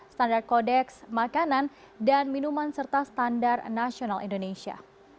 standar kodeks makanan dan minuman serta standar nasional indonesia